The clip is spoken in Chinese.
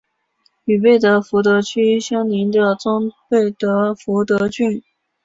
与贝德福德区相邻的中贝德福德郡。